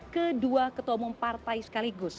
kedua ketua umum partai sekaligus